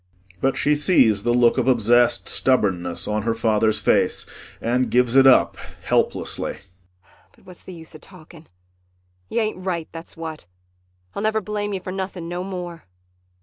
[But she sees the look of obsessed stubbornness on her father's face and gives it up helplessly.] But what's the use of talking. You ain't right, that's what. I'll never blame you for nothing no more.